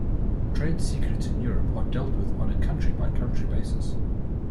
Trade Secrets in Europe are dealt with on a country-by-country basis.